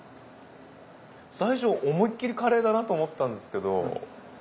最初思いっきりカレーだなと思ったんですけど。